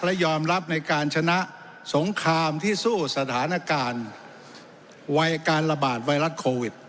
และยอมรับในการชนะสงครามที่สู้สถานการณ์วัยการระบาดไวรัสโควิด